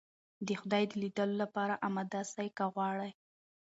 د خدای د ليدلو لپاره اماده سئ که غواړئ.